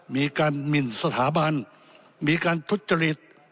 หมินสถาบันมีการทุจริต